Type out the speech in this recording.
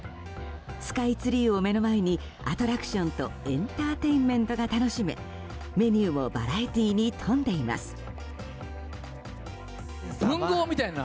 スカイツリーを目の前にアトラクションとエンターテインメントが楽しめメニューもバラエティーに富んでいます。